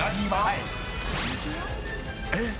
えっ